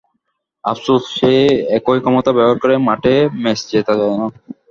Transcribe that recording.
আফসোস, সেই একই ক্ষমতা ব্যবহার করে মাঠে ম্যাচ জেতা যায় না।